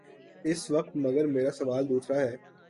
اس وقت مگر میرا سوال دوسرا ہے۔